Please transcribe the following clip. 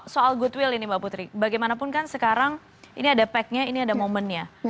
soal goodwill ini mbak putri bagaimanapun kan sekarang ini ada packnya ini ada momennya